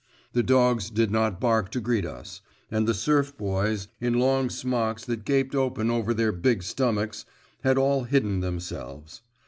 The dogs did not bark to greet us, and the serf boys, in long smocks that gaped open over their big stomachs, had all hidden themselves.